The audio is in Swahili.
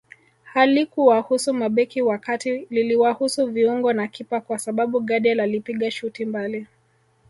Halikuwahusu mabeki wa kati liliwahusu viungo na kipa kwa sababu Gadiel alipiga shuti mbali